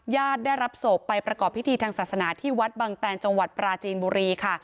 ได้รับศพไปประกอบพิธีทางศาสนาที่วัดบังแตนจังหวัดปราจีนบุรีค่ะ